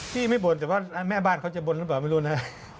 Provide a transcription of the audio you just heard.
พี่ไม่บ่นแต่ว่าแม่บ้านเขาจะบ่นหรือเปล่าไม่รู้นะ